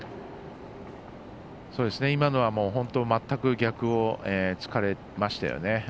今のは全く逆をつかれましたよね。